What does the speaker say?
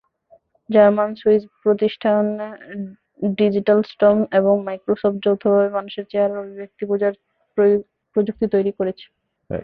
German-Swiss প্রতিষ্ঠান ডিজিটালস্টর্ম এবং Microsoft যৌথভাবে মানুষের চেহারার অভিব্যক্তি বোঝার প্রযুক্তি তৈরি করেছে।